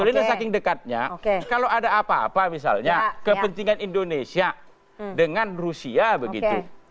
kemudian saking dekatnya kalau ada apa apa misalnya kepentingan indonesia dengan rusia begitu